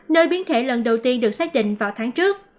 nơi biến thể lần đầu tiên được xác định vào tháng trước